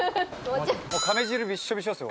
もう亀汁びっしょびしょですよ。